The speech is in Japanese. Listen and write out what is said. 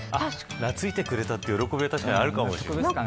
懐いてくれたという喜びが確かにあるかもしれませんね。